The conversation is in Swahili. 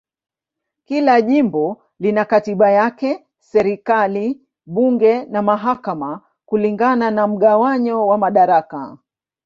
Kila jimbo lina katiba yake, serikali, bunge na mahakama kulingana na mgawanyo wa madaraka.